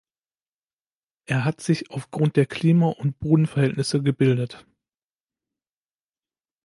Es hat sich aufgrund der Klima- und Bodenverhältnisse gebildet.